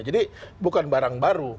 jadi bukan barang baru